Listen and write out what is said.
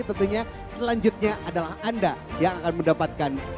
tentunya selanjutnya adalah anda yang akan mendapatkan